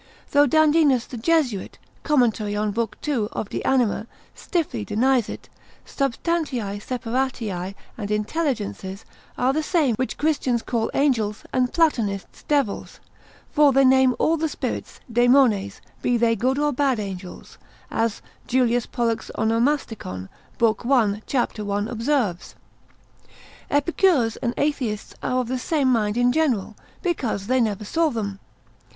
Though Dandinus the Jesuit, com. in lib. 2. de anima, stiffly denies it; substantiae separatae and intelligences, are the same which Christians call angels, and Platonists devils, for they name all the spirits, daemones, be they good or bad angels, as Julius Pollux Onomasticon, lib. 1. cap. 1. observes. Epicures and atheists are of the same mind in general, because they never saw them.